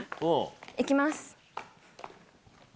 いきます。